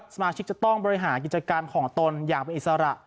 สมาชิกจะต้องบริหารกิจการของตนอย่างเป็นอิสระ